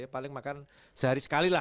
paling makan sehari sekali lah